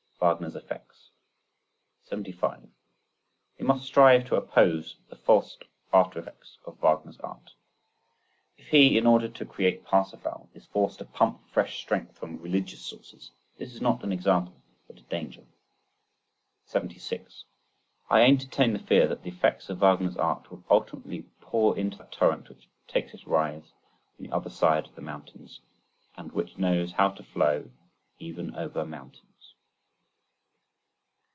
Wagner's Effects. 75. We must strive to oppose the false after effects of Wagner's art. If he, in order to create Parsifal, is forced to pump fresh strength from religious sources, this is not an example but a danger. 76. I entertain the fear that the effects of Wagner's art will ultimately pour into that torrent which takes its rise on the other side of the mountains, and which knows how to flow even over mountains.